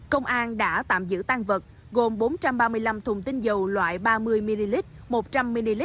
công an đã tạm giữ tăng vật gồm bốn trăm ba mươi năm thùng tinh dầu loại ba mươi ml một trăm linh ml